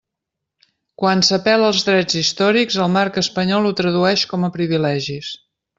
Quan s'apel·la als drets històrics, el marc espanyol ho tradueix com a privilegis.